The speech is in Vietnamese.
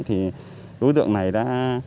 thì đối tượng này đã